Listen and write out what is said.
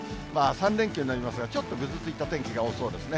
３連休になりますが、ちょっとぐずついた天気が多そうですね。